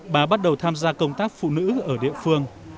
bà bắt đầu tham gia công tác phụ nữ ở địa phương